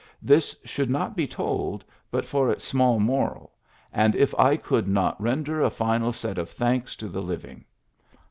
This should not be told, but for its small moral, and if I could not render a final set of thanks to the living.